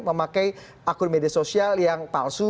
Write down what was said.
memakai akun media sosial yang palsu